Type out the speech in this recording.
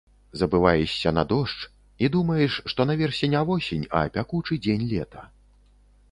Забываешся на дождж і думаеш, што наверсе не восень, а пякучы дзень лета.